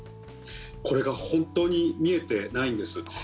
これが本当に見えてないんです。